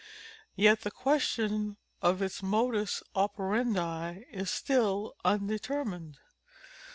Yet the question of its modus operandi is still undetermined.